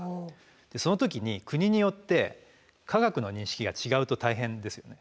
その時に国によって科学の認識が違うと大変ですよね。